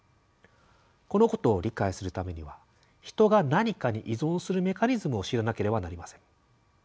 このことを理解するためには人が何かに依存するメカニズムを知らなければなりません。